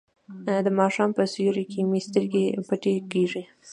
د ماښام په سیوري کې مې سترګې پټې کیږي.